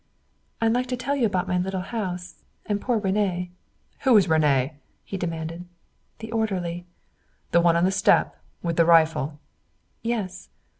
"I'd like to tell you about my little house. And poor René " "Who was René?" he demanded. "The orderly." "The one on the step, with a rifle?" "Yes."